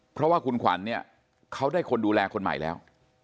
เพราะว่าคุณขวัญเนี่ยเขาได้คนดูแลคนใหม่แล้ว